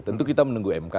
tentu kita menunggu mk